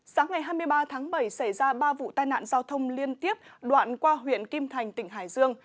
sáng ngày hai mươi ba tháng bảy xảy ra ba vụ tai nạn giao thông liên tiếp đoạn qua huyện kim thành tỉnh hải dương